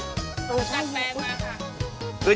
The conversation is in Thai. สกรมขนมเบื้อง